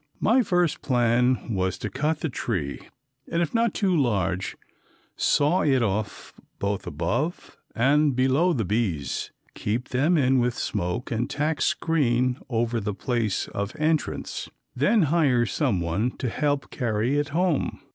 My first plan was to cut the tree and, if not too large, saw it off both above and below the bees, keep them in with smoke, and tack screen over the place of entrance. Then hire someone to help carry it home.